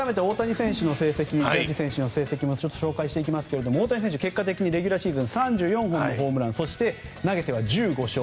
大谷選手の成績を紹介していきますが大谷選手、レギュラーシーズン３４本のホームランそして、投げては１５勝